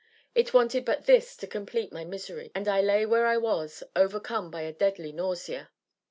It wanted but this to complete my misery, and I lay where I was, overcome by a deadly nausea.